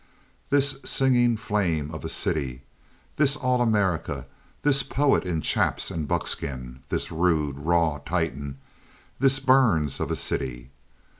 This singing flame of a city, this all America, this poet in chaps and buckskin, this rude, raw Titan, this Burns of a city!